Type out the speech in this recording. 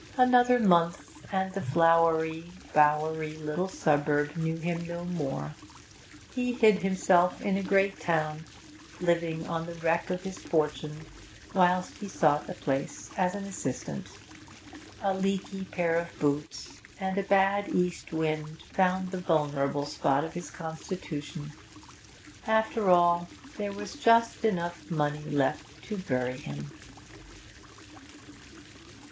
Another month and the flowery, bowery little suburb knew him no more. He hid himself in a great town, living on the wreck of his fortune whilst he sought a place as an assistant. A leaky pair of boots and a bad east wind found the vulnerable spot of his constitution. After all, there was just enough money left to bury him.